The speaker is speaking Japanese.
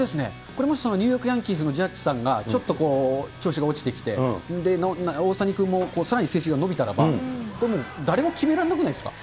これ、もしニューヨークヤンキースのちょっとこう、調子が落ちてきて、大谷君もさらに伸びたらば、誰も決められなくないですか。